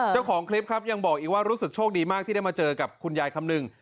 เจ้าของคลิปครับยังบอกอีกว่ารู้สึกโชคดีมากที่ได้มาเจอกับคุณยายคำนึง